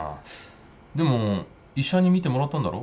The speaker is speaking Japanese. でも医者に診てもらったんだろ？